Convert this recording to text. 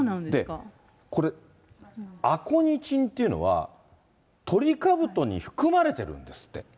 これ、アコニチンっていうのは、トリカブトに含まれてるんですって。